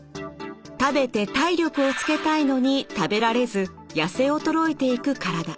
食べて体力をつけたいのに食べられずやせ衰えていく体。